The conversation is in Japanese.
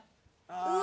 うわ。